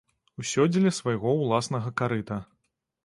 Усё дзеля свайго ўласнага карыта.